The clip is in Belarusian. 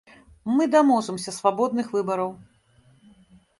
Мы даможамся свабодных выбараў!